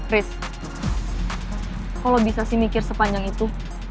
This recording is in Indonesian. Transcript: riz kok lo bisa sih mikir sepanjang itu